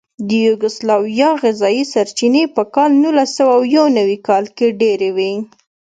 د یوګوسلاویا غذایي سرچینې په کال نولسسوهیونوي کال کې ډېرې وې.